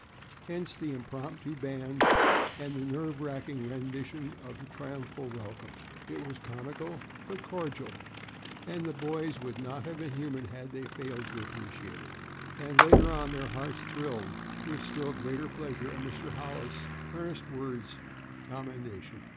Hence the impromptu band and the nerve racking rendition of the triumphal welcome. It was comical but cordial, and the boys would not have been human had they failed to appreciate it. And later on their hearts thrilled with still greater pleasure at Mr. Hollis' earnest words of commendation.